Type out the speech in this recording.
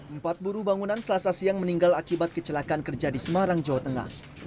empat buruh bangunan selasa siang meninggal akibat kecelakaan kerja di semarang jawa tengah